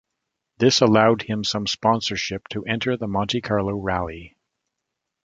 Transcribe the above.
This allowed him some sponsorship to enter the Monte Carlo Rally.